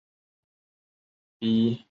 鼻肢闽溪蟹为溪蟹科闽溪蟹属的动物。